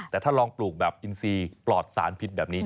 แต่ถ้าลองปลูกแบบอินซีปลอดสารพิษแบบนี้